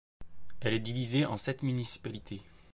Elle est divisée en sept municipalités.